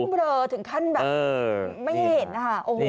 เบลอถึงขั้นแบบไม่เห็นนะคะ